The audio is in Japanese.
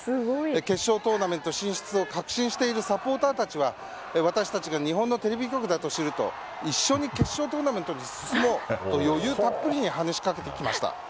決勝トーナメント進出を確信しているサポーターたちは私たちが日本のテレビ局だと知ると一緒に決勝トーナメントに進もう！と余裕たっぷりに話しかけてきました。